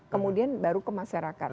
kemudian baru ke masyarakat